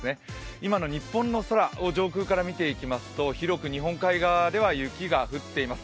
今の日本の空を上空から見てみますと広く日本海側では雪が降っています。